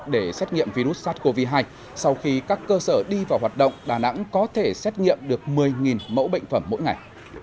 để xét nghiệm virus sars cov hai sau khi các cơ sở đi vào hoạt động đà nẵng có thể xét nghiệm được một mươi mẫu bệnh phẩm mỗi ngày